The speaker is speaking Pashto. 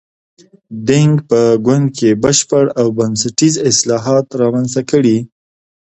دینګ په ګوند کې بشپړ او بنسټیز اصلاحات رامنځته کړي.